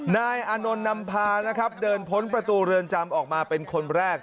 นายอานนท์นำพานะครับเดินพ้นประตูเรือนจำออกมาเป็นคนแรก